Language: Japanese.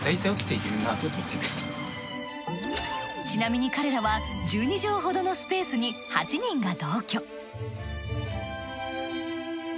ちなみに彼らは１２畳ほどのスペースに８人が同居。